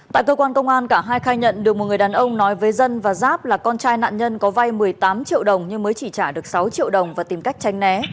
tại cơ quan công an cả hai khai nhận được một người đàn ông nói với dân và giáp là con trai nạn nhân có vay một mươi tám triệu đồng nhưng mới chỉ trả được sáu triệu đồng và tìm cách tranh né